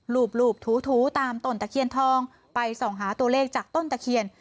รูปถูตามต้นตะเคียนทองไปส่องหาตัวเลขจากต้นตะเคียน